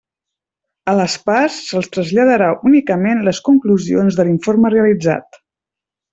A les parts se'ls traslladarà únicament les conclusions de l'informe realitzat.